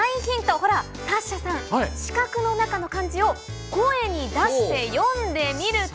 ほら、サッシャさん、四角の中の漢字を声に出して読んでみると。